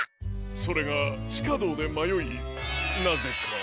それがちかどうでまよいなぜか。